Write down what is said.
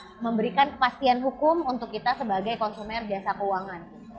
untuk memberikan kepastian hukum untuk kita sebagai konsumen jasa keuangan